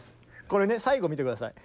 これね最後見て下さい。